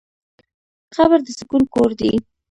قبر د سکون کور دی.